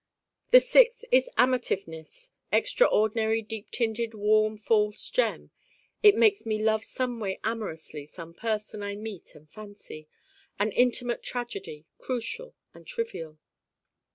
the sixth is Amativeness, extraordinary deep tinted warm false gem it makes me love someway amorously some person I meet and fancy: an intimate tragedy, crucial and trivial.